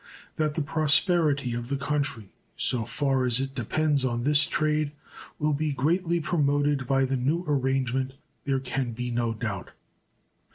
That the prosperity of the country so far as it depends on this trade will be greatly promoted by the new arrangement there can be no doubt.